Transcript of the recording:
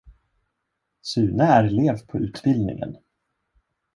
Sune är elev på utbildningen.